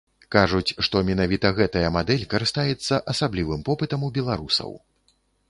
Кажуць, што менавіта гэтая мадэль карыстаецца асаблівым попытам ў беларусаў.